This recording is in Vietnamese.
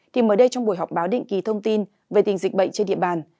khi mới đây trong buổi họp báo định ký thông tin về tình dịch bệnh trên địa bàn